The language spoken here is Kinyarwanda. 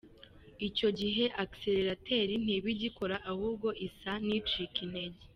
Icyo gihe ‘accelerateur’ ntiba igikora ahubwo isa n’ icika intege.